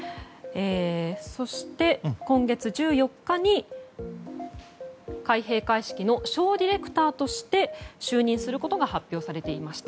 そして今月１４日に開閉会式のショーディレクターとして就任することが発表されていました。